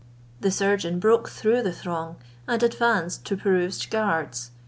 The surgeon broke through the throng, and advanced to Pirouzč's guards.